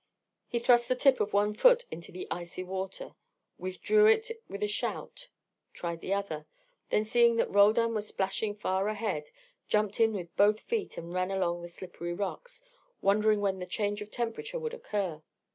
He thrust the tip of one foot into the icy water, withdrew it with a shout, tried the other; then seeing that Roldan was splashing far ahead, jumped in with both feet and ran along the slippery rocks, wondering when the change of temperature would occur.